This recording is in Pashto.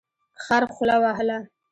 خر خوله وهله.